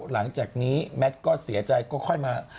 หลังจากนี้แมทก็เสียใจก็ค่อยมา